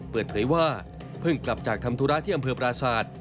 เปิดเผยว่าเพิ่งกลับจากทำธุระที่อำเภอปราศาสตร์